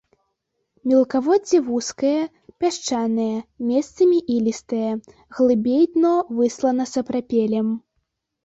Мелкаводдзе вузкае, пясчанае, месцамі ілістае, глыбей дно выслана сапрапелем.